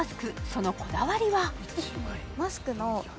そのこだわりは？